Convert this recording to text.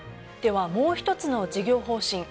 ではもう一つの事業方針